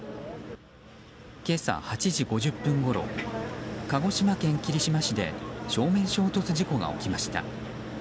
今朝８時５０分ごろ鹿児島県霧島市で正面衝突事故が起きました。